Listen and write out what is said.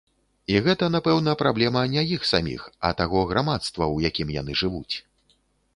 І гэта, напэўна, праблема не іх саміх, а таго грамадства, у якім яны жывуць.